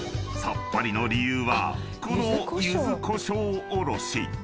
さっぱりの理由はこの柚子こしょうおろし］